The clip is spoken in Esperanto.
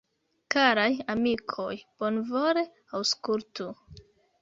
Karaj amikoj, bonvole aŭskultu!